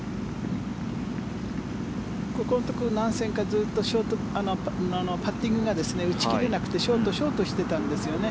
ここのところ何戦かパッティングが打ち切れなくてショート、ショートしていたんですよね。